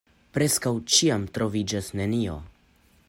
Preskaŭ ĉiam troviĝas nenio.